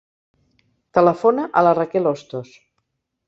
Telefona a la Raquel Ostos.